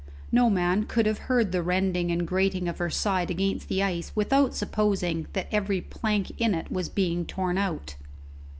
No man could have heard the rending and grating of her side against the ice without supposing that every plank in it was being torn out.